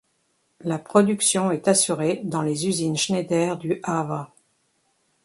La production est assurée dans les usines Schneider du Havre.